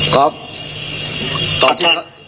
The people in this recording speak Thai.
ขออนุญาตท่าน